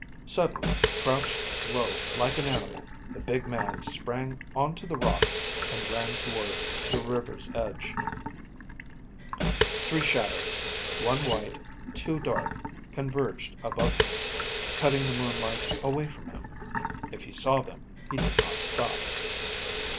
Suddenly, crouched low like an animal, the big man sprang onto the rocks and ran toward the river's edge. Three shadows, one white, two dark, converged above him, cutting the moonlight away from him. If he saw them, he did not stop.